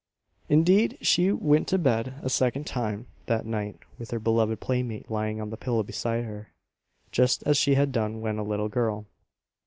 Indeed, she went to bed a second time that night with her beloved playmate lying on the pillow beside her, just as she had done when a little girl.